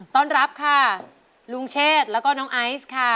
ตอนรับค่ะลุงเชษแล้วก็น้องไอซ์ค่ะ